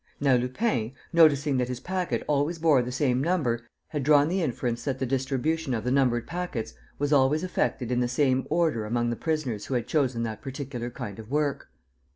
Now Lupin, noticing that his packet always bore the same number, had drawn the inference that the distribution of the numbered packets was always affected in the same order among the prisoners who had chosen that particular kind of work.